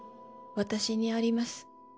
「私にあります」